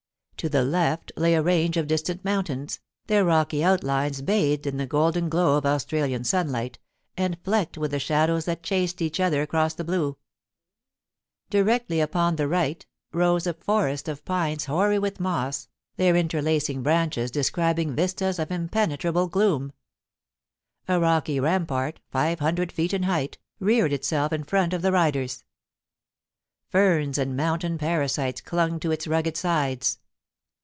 To the left lay a range of distant mountains, their rocky outlines bathed in the golden glow of Australian sunlight, and flecked with the shadows that chased each other across the blue. Directly A PICNIC IN THE MOUNTAINS. 193 upon the right rose a forest of pines hoary with moss, their interlacing branches describing vistas of impenetrable gloom. A rocky rampart, five hundred feet in height, reared itself in front of the riders. Ferns and mountain parasites clung to its rugged sides.